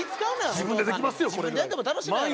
自分でできますよ